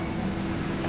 nino menikah sama andin